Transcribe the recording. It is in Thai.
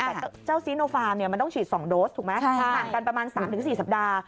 อ่าแต่เจ้าซีโนฟาร์มเนี้ยมันต้องฉีดสองโดสถูกไหมใช่ประมาณสามถึงสี่สัปดาห์